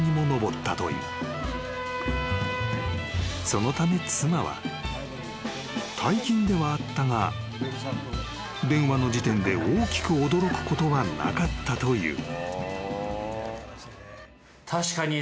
［そのため妻は大金ではあったが電話の時点で大きく驚くことはなかったという］